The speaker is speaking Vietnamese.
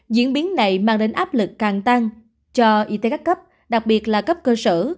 diễn biến này mang đến áp lực càng tăng cho y tế các cấp đặc biệt là cấp cơ sở